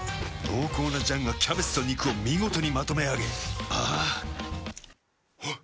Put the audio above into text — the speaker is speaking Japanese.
濃厚な醤がキャベツと肉を見事にまとめあげあぁあっ。